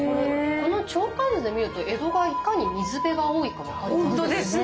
この鳥観図で見ると江戸がいかに水辺が多いか分かりますよね。